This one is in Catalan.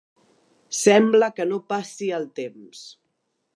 Sembla que no passi el temps.